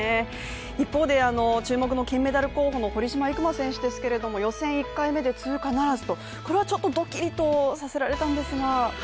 一方で、注目の金メダル候補の堀島行真選手ですけども予選１回目で通過ならずと、これはちょっとドキリとさせられたんですが。